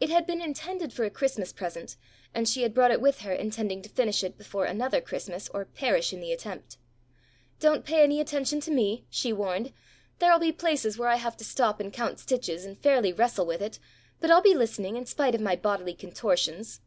It had been intended for a Christmas present, and she had brought it with her intending to finish it before another Christmas or perish in the attempt. "Don't pay any attention to me," she warned. "There'll be places where I have to stop and count stitches and fairly wrestle with it, but I'll be listening in spite of my bodily contortions."